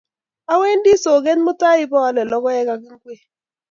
Awendi soget mutai ipaale logoek ak ingwek